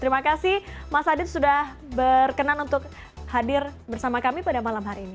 terima kasih mas adit sudah berkenan untuk hadir bersama kami pada malam hari ini